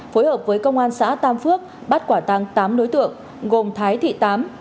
phối hợp với công an xã tam phước bắt quả tăng tám đối tượng gồm thái thị tám